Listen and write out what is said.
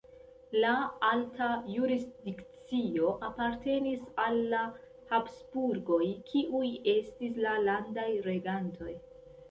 La alta jurisdikcio apartenis al la Habsburgoj, kiuj estis la landaj regantoj.